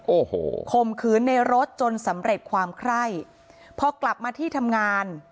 โอ้โหข่มขืนในรถจนสำเร็จความไคร่พอกลับมาที่ทำงาน